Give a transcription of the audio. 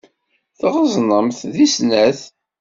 Tɣeẓnemt deg snat.